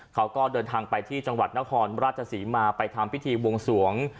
เขาก็เดินทางไปที่จังหวัดนครราชศรีมาไปทำพิธีวงสวง